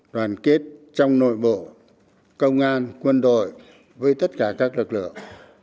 đoàn kết trong nội bộ công an quân đội với tất cả các lực lượng